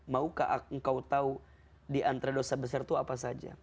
maukah engkau tahu diantara dosa besar itu apa saja